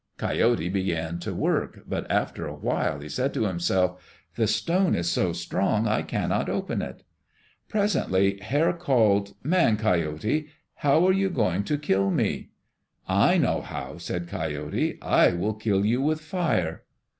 Coyote began to work, but after a while he said to himself, "The stone is so strong I cannot open it." Presently Hare called, "Man Coyote, how are you going to kill me?" "I know how," said Coyote. "I will kill you with fire."